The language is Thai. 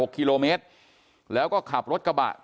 กลุ่มตัวเชียงใหม่